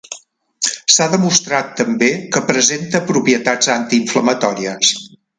S'ha demostrat també que presenta propietats antiinflamatòries.